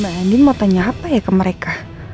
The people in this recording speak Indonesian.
mbak andi mau tanya apa ya ke mereka